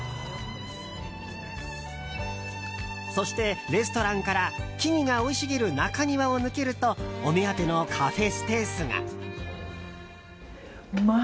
そして、レストランから木々が生い茂る中庭を抜けるとお目当てのカフェスペースが。